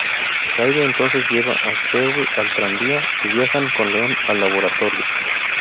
Claire entonces lleva a Sherry al tranvía y viajan con Leon al laboratorio.